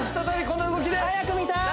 この動きで早く見たい！